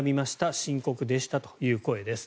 深刻でしたという声です。